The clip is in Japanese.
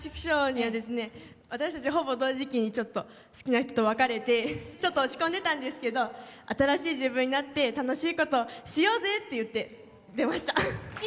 私たち、同時期に好きな人と別れてちょっと落ち込んでたんですけど新しい自分になって楽しいことをしようぜっていって出ました。